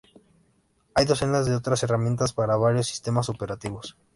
Hay docenas de otras herramientas para varios sistemas operativos.